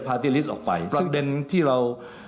ตี้ลิสต์ออกไปซึ่งเด็นที่เรา